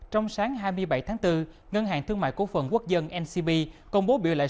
trong sáng hai mươi bảy tháng bốn ngân hàng thương mại cổ phần quốc dân ncb công bố biểu lãi